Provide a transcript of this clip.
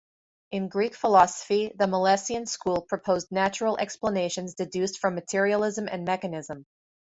In Greek philosophy, the Milesian school proposed natural explanations deduced from materialism and mechanism.